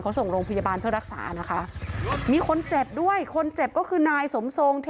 เขาส่งโรงพยาบาลเพื่อรักษานะคะมีคนเจ็บด้วยคนเจ็บก็คือนายสมทรง